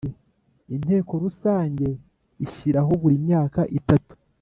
Inteko Rusange ishyiraho buri myaka itatu